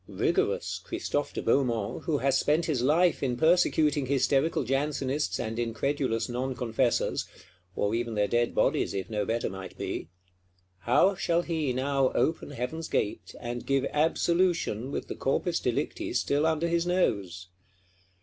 Rigorous Christophe de Beaumont, who has spent his life in persecuting hysterical Jansenists and incredulous Non confessors; or even their dead bodies, if no better might be,—how shall he now open Heaven's gate, and give Absolution with the corpus delicti still under his nose?